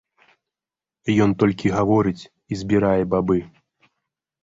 Ён толькі гаворыць і збірае бабы.